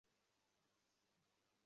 ওর জীবন আমার মতো নষ্ট হতে দেবো না।